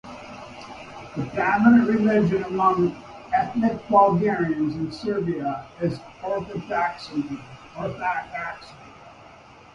The dominant religion among ethnic Bulgarians in Serbia is Orthodoxy.